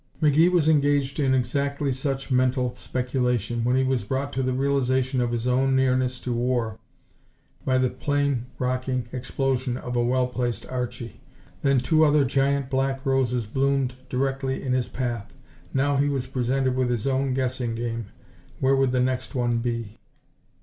McGee was engaged in exactly such mental speculation when he was brought to the realization of his own nearness to war by the plane rocking explosion of a well placed Archie. Then two other giant black roses bloomed directly in his path. Now he was presented with his own guessing game. Where would the next one be?